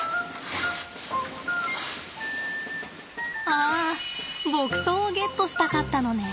ああ牧草をゲットしたかったのね。